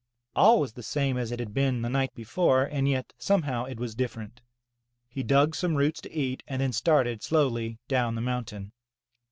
All was the same as it had been the night before, and yet some how it was different. He dug some roots to eat and then started slowly down the mountain.